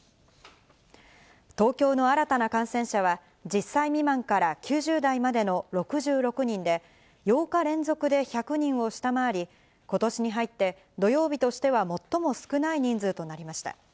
東京の新たな感染者は、１０歳未満から９０代までの６６人で、８日連続で１００人を下回り、ことしに入って土曜日としては最も少ない人数となりました。